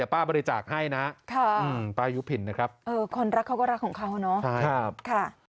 ป้าบริจาคให้นะป้ายุพินนะครับคนรักเขาก็รักของเขาเนาะ